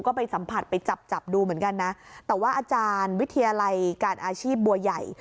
ก็ไปสัมผัสไปจับจับดูเหมือนกันนะแต่ว่าอาจารย์วิทยาลัยการอาชีพบัวใหญ่